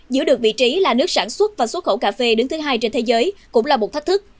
giữ được vị trí là nước sản xuất và xuất khẩu cà phê đứng thứ hai trên thế giới cũng là một thách thức